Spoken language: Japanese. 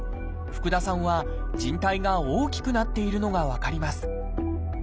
福田さんはじん帯が大きくなっているのが分かります。